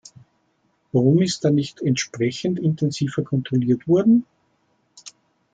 Warum ist da nicht entsprechend intensiver kontrolliert worden?